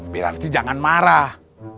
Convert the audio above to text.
berarti jangan marah